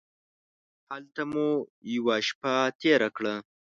هلته مو یوه شپه تېره کړه.